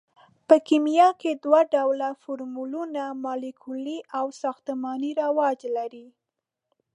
په کیمیا کې دوه ډوله فورمولونه مالیکولي او ساختماني رواج لري.